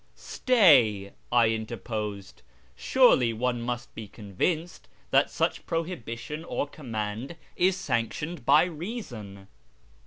" Stay," I interposed ;" surely one must be convinced that such prohibition or command is sanctioned by reason.